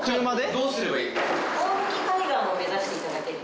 どうすればいい？